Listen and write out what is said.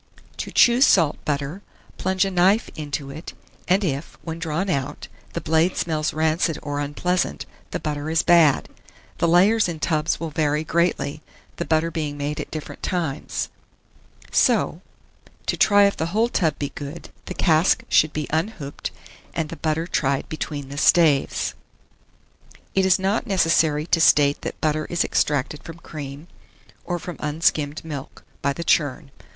To choose salt butter, plunge a knife into it, and if, when drawn out, the blade smells rancid or unpleasant, the butter is bad. The layers in tubs will vary greatly, the butter being made at different times; so, to try if the whole tub be good, the cask should be unhooped, and the butter tried between the staves. It is not necessary to state that butter is extracted from cream, or from unskimmed milk, by the churn.